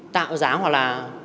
tạo dáng hoặc là